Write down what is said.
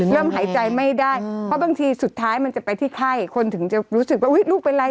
เริ่มหายใจไม่ได้